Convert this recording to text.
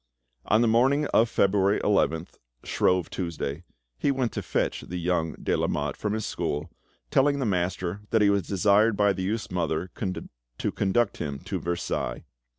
On the morning of February 11th, Shrove Tuesday, he went to fetch the young de Lamotte from his school, telling the master that he was desired by the youth's mother to conduct him to Versailles.